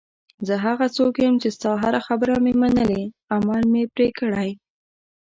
زه هغه څوک یم چې ستا هره خبره مې منلې، عمل مې پرې کړی.